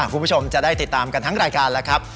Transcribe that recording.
คุณผู้ชมจะได้ติดตามกันทั้งรายการแล้วครับ